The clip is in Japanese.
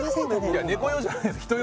いや猫用じゃないです